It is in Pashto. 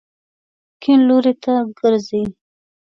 کیڼ لوري ته ګرځئ